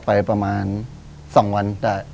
ไปประมาณ๒วัน